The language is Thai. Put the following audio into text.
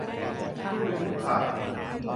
ลูกลิงลูกค่าง